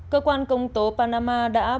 cơ quan công tố panama đã bảo vệ các nhà nước